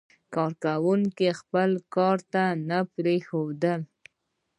کارکوونکي خپل کار ته نه پرېښودل.